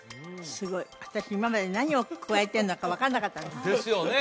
すごい私今まで何をくわえてるのか分からなかったんですですよね